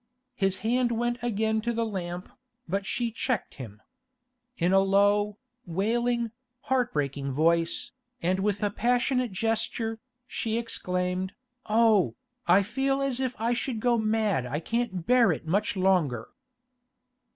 His hand went again to the lamp, but she checked him. In a low, wailing, heart breaking voice, and with a passionate gesture, she exclaimed, 'Oh, I feel as if I should go mad I can't bear it much longer!